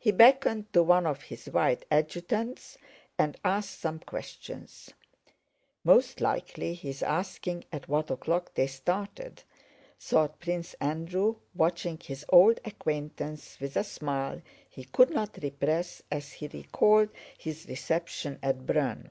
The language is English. He beckoned to one of his white adjutants and asked some question—"Most likely he is asking at what o'clock they started," thought Prince Andrew, watching his old acquaintance with a smile he could not repress as he recalled his reception at Brünn.